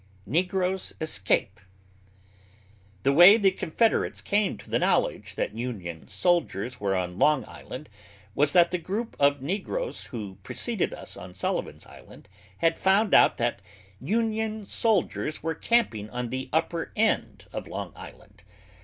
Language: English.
NEGROES ESCAPE. The way the Confederates came to the knowledge that Union soldiers were on Long Island was that the group of negroes who preceded us on Sullivan's Island had found out that Union soldiers were camping on the upper end of Long Island.